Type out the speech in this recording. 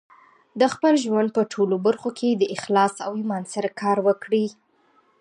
د خپل ژوند په ټولو برخو کې د اخلاص او ایمان سره کار وکړئ.